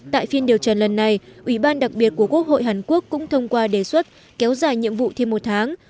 tại phiên điều trần lần này ủy ban đặc biệt của quốc hội hàn quốc cũng thông qua đề xuất kéo dài nhiệm vụ thêm một tháng